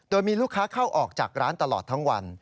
โดยมีลูกค้าเข้าออกจากร้านตลอดทั้งวัน